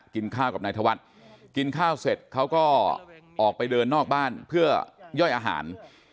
กินข้าวกับนายธวัฒน์กินข้าวเสร็จเขาก็ออกไปเดินนอกบ้านเพื่อย่อยอาหาร